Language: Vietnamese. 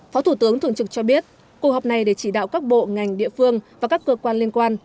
phó thủ tướng thường trực cho biết cuộc họp này để chỉ đạo các bộ ngành địa phương và các cơ quan liên quan